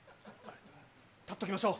立っときましょう。